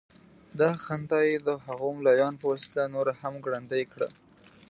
دغه خندا یې د هغو ملايانو په وسيله نوره هم ګړندۍ کړې.